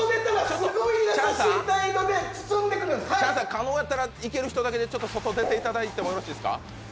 可能やったら、行ける人だけで外出ていただいてもよろしいですか。